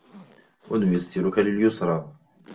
ونيسرك لليسرى